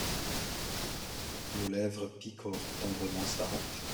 Nos lèvres picorent tendrement sa hampe.